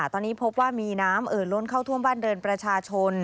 ตอนนี้พบว่ามีน้ำเอ่อล้นเข้าท่วมบ้านเรือนประชาชน